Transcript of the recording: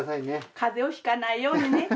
風邪を引かないようにねって。